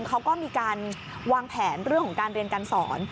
เขาก็มีการวางแผนเรื่องของการเรียนการสอน